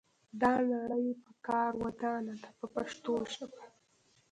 دا نړۍ په کار ودانه ده په پښتو ژبه.